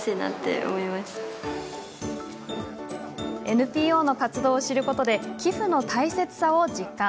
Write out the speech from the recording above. ＮＰＯの活動を知ることで寄付の大切さを実感。